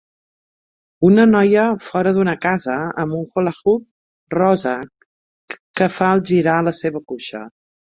Una noia fora d'una casa amb un hula hoop rosa que fa el girar a la seva cuixa.